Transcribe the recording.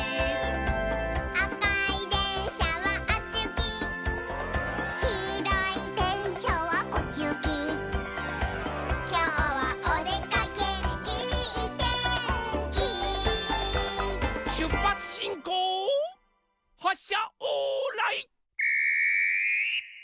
「あかいでんしゃはあっちゆき」「きいろいでんしゃはこっちゆき」「きょうはおでかけいいてんき」しゅっぱつしんこうはっしゃオーライ。